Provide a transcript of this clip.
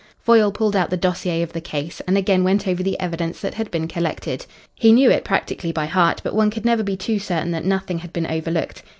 Foyle pulled out the dossier of the case, and again went over the evidence that had been collected. He knew it practically by heart, but one could never be too certain that nothing had been overlooked.